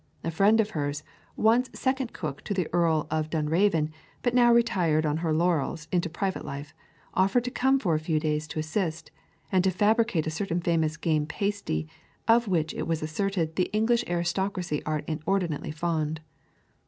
A friend of hers, once second cook to the Earl of Dunraven, but now retired on her laurels into private life, offered to come for a few days to assist, and to fabricate a certain famous game pasty, of which it was asserted the English aristocracy are inordinately fond.